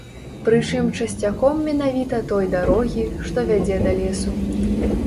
Прычым часцяком менавіта той дарогі, што вядзе да лесу.